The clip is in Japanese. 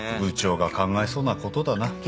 部長が考えそうなことだな。